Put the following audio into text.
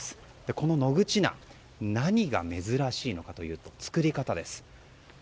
この野口菜何が珍しいのかというと作り方です。